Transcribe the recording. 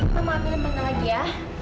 mama ambil tempat lagi ya